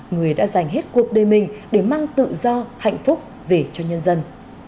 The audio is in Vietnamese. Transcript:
người đã dành hết cuộc đời mình để mang tự do hạnh phúc về cho nhân dân